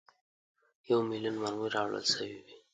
یو میلیون مرمۍ راوړل سوي وې.